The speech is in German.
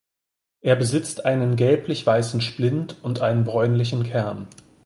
Es besitzt einen gelblich-weißen Splint und einen bräunlichen Kern.